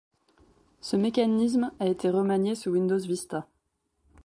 Ce mécanisme a été remanié sous Windows Vista.